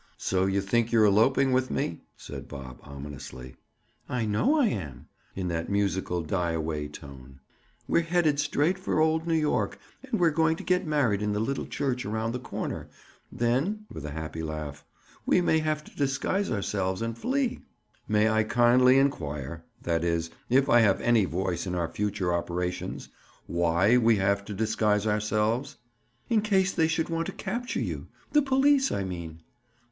"So you think you're eloping with me?" said Bob ominously. "I know I am." In that musical die away tone. "We're headed straight for old New York and we're going to get married in the little church around the corner. Then"—with a happy laugh—"we may have to disguise ourselves and flee." "May I kindly inquire—that is, if I have any voice in our future operations—why we may have to disguise ourselves?" "In case they should want to capture you. The police, I mean."